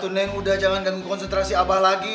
neng udah jangan ganggu konsentrasi abah lagi